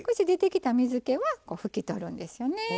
出てきた水けはこう拭き取るんですよね。